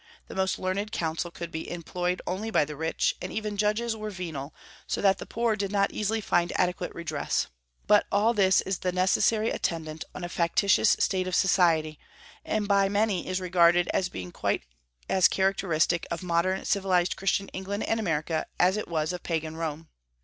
The most learned counsel could be employed only by the rich, and even judges were venal, so that the poor did not easily find adequate redress. But all this is the necessary attendant on a factitious state of society, and by many is regarded as being quite as characteristic of modern, civilized Christian England and America as it was of Pagan Rome.